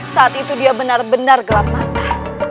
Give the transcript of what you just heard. saat itu dia benar benar gelap mata